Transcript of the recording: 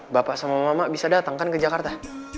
bapak sama mama bisa datang kan ke jakarta